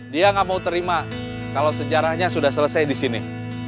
dia nggak mau terima kalau sejarahnya sudah selesai di sini